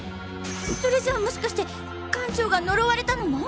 それじゃあもしかして館長が呪われたのも？